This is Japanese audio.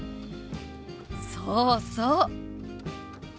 そうそう！